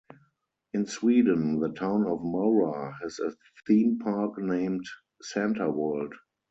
In Sweden, the town of Mora has a theme park named "Santaworld".